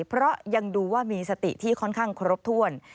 เพราะยังดูว่ามีสติที่ค่อนข้างครบถ้วน